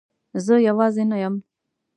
زه یوازی نه یم